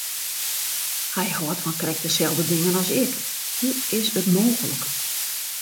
Hy hâldt fan krekt deselde dingen as ik, hoe is it mooglik!